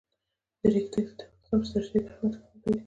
د ریګ دښتې د افغانستان په ستراتیژیک اهمیت کې رول لري.